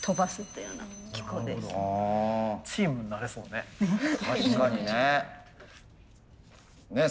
チームになれそうね。